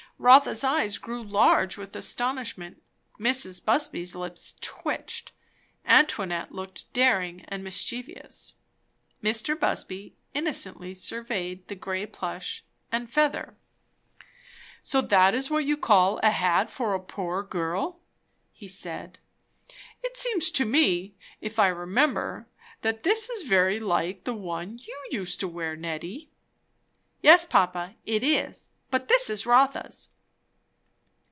Rotha's eyes grew large with astonishment. Mrs. Busby's lips twitched. Antoinette looked daring and mischievous. Mr. Busby innocently surveyed the grey plush and feather. "So that is what you call a hat for a poor girl?" he said. "It seems to me, if I remember, that is very like one you used to wear, Nettie." "Yes, papa, it is; but this is Rotha's."